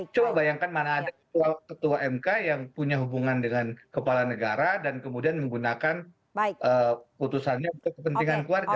coba bayangkan mana ada ketua mk yang punya hubungan dengan kepala negara dan kemudian menggunakan putusannya untuk kepentingan keluarga